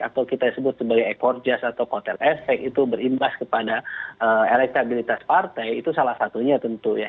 atau kita sebut sebagai ekor jas atau kotel efek itu berimbas kepada elektabilitas partai itu salah satunya tentu ya